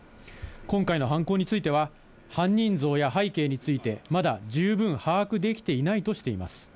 今回の犯行については、犯人像や背景について、まだ十分把握できていないとしています。